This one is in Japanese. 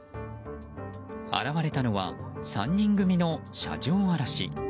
現れたのは３人組の車上荒らし。